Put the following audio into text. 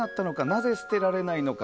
なぜ捨てられないのか。